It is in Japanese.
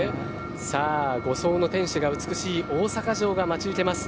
五層の天守が美しい大阪城が待ち受けます。